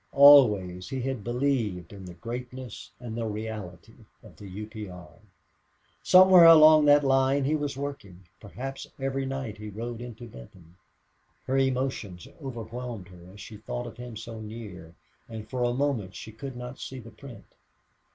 Always he had believed in the greatness and the reality of the U. P. R. Somewhere along that line he was working perhaps every night he rode into Benton. Her emotions overwhelmed her as she thought of him so near, and for a moment she could not see the print.